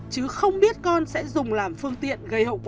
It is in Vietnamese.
chứ không biết con sẽ dùng làm phương tiện